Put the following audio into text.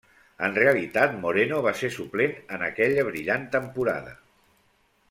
En realitat Moreno va ser suplent en aquella brillant temporada.